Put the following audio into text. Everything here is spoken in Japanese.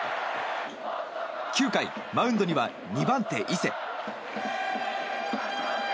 ９回、マウンドには２番手、伊勢。